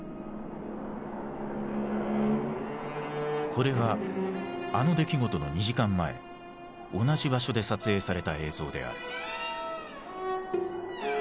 これはあの出来事の２時間前同じ場所で撮影された映像である。